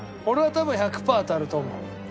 俺は多分１００パー当たると思う。